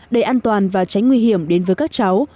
để an toàn và tránh nguy hiểm đến với các cháu